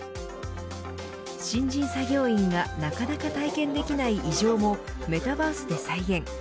新人作業員がなかなか体験できない異常もメタバースで再現。